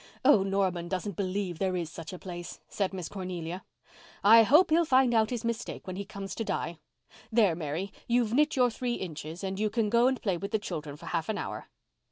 '" "Oh, Norman doesn't believe there is such a place," said Miss Cornelia. "I hope he'll find out his mistake when he comes to die. There, Mary, you've knit your three inches and you can go and play with the children for half an hour."